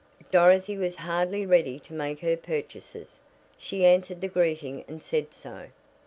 Dorothy was hardly ready to make her purchases. She answered the greeting and said so.